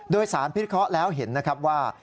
โดยสารพิทธิเค้าแล้วเห็นว่า